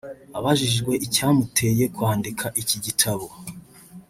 Abajijwe icyamuteye kwandika iki gitabo